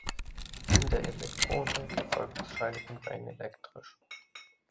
In der Elektronik erfolgt das Schalten rein elektrisch.